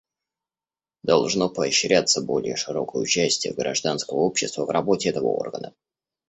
Должно поощряться более широкое участие гражданского общества в работе этого органа.